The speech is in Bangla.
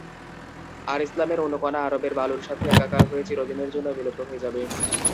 আর ইসলামের অণুকণা আরবের বালুর সাথে একাকার হয়ে চিরদিনের জন্য বিলুপ্ত হয়ে যাবে।